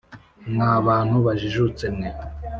mwa bantu bajijutse mwe,